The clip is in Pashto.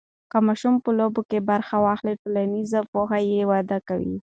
که ماشوم په لوبو کې برخه واخلي، ټولنیز پوهه یې وده کوي.